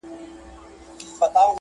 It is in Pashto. او لوازمو خو پوښتنه مه کوه